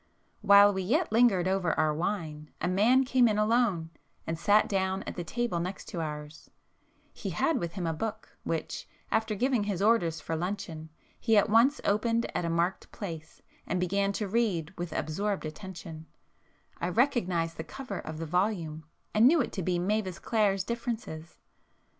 While we yet lingered over our wine, a man came in alone, and sat down at the table next to ours;—he had with him a book, which, after giving his orders for luncheon, he at once opened at a marked place and began to read with absorbed attention,—I [p 386] recognised the cover of the volume and knew it to be Mavis Clare's "Differences."